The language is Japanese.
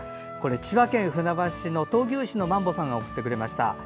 千葉県船橋市の闘牛士のマンボさんが送ってくれました。